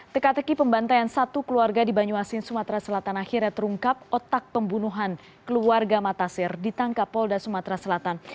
teka teki pembantaian satu keluarga di banyuasin sumatera selatan akhirnya terungkap otak pembunuhan keluarga matasir ditangkap polda sumatera selatan